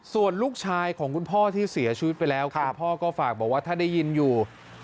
ส่วนลูกชายของคุณพ่อที่เสียชีวิตไปแล้วคุณพ่อก็ฝากบอกว่าถ้าได้ยินอยู่